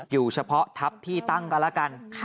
อยู่เฉพาะทัพที่ตั้งก็แล้วกัน